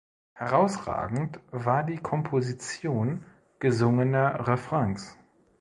Herausragend war die Komposition gesungener Refrains.